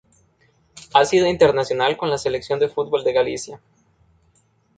Ha sido internacional con la Selección de fútbol de Galicia.